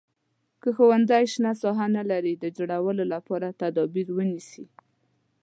که ښوونځی شنه ساحه نه لري د جوړولو لپاره تدابیر ونیسئ.